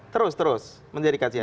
terus terus menjadi kajian